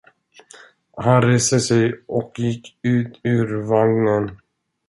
Han reste sig och gick ut ur vagnen.